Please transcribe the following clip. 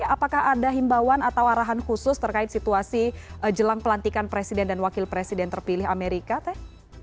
apakah ada himbauan atau arahan khusus terkait situasi jelang pelantikan presiden dan wakil presiden terpilih amerika teh